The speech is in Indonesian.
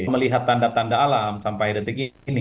melihat tanda tanda alam sampai detik ini